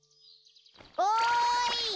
おい！